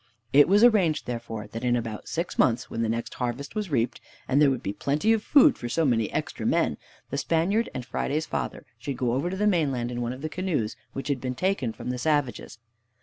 It was arranged, therefore, that in about six months, when the next harvest was reaped, and there would be plenty of food for so many extra men, the Spaniard and Friday's father should go over to the mainland in one of the canoes which had been taken from the savages.